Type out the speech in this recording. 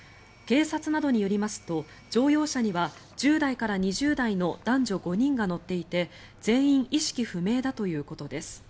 警察などによりますと乗用車には１０代から２０代の男女５人が乗っていて全員意識不明だということです。